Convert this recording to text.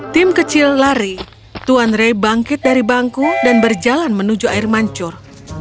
tim kecil lari tuan ray bangkit dari bangku dan berjalan menuju air mancur